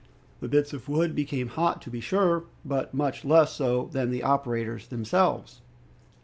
The bits of wood became hot, to be sure, but much less so than the operators themselves.